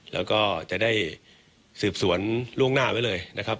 แล้วก็จะได้สืบสวนล่วงหน้าไว้เลยนะครับ